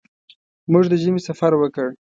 موږ د ژمي سفر وکړ.